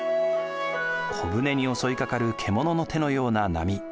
小舟に襲いかかる獣の手のような波。